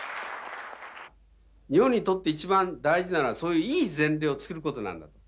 日本にとって一番大事なのはそういういい前例を作ることなんだと。